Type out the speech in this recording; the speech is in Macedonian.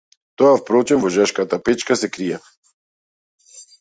Тоа впрочем во жешката печка се крие.